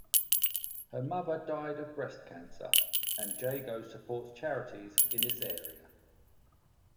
Her mother died of breast cancer, and Jago supports charities in this area.